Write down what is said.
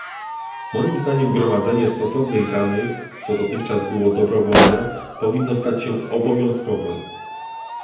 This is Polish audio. Moim zdaniem gromadzenie stosownych danych, co dotychczas było dobrowolne, powinno stać się obowiązkowe